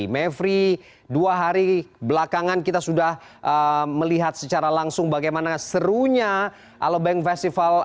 mevri dua hari belakangan kita sudah melihat secara langsung bagaimana serunya alobank festival